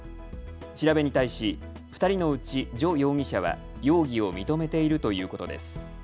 調べに対し２人のうち徐容疑者は容疑を認めているということです。